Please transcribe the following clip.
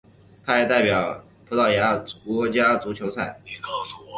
他也代表葡萄牙国家足球队参赛。